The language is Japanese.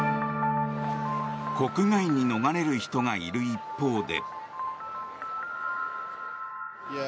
国外に逃れる人がいる一方で。